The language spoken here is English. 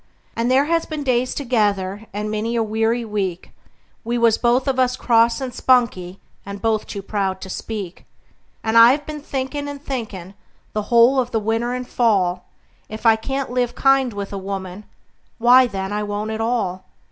And there has been days together and many a weary week We was both of us cross and spunky, and both too proud to speak; And I have been thinkin' and thinkin', the whole of the winter and fall, If I can't live kind with a woman, why, then, I won't at all.